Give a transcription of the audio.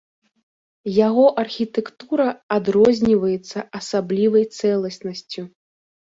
Яго архітэктура адрозніваецца асаблівай цэласнасцю.